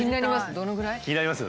気になります。